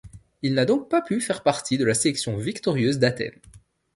Il n'a donc pas pu faire partie de la sélection victorieuse d'Athènes.